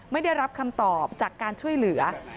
ไม่ได้รับคำตอบจากการช่วยเหลือ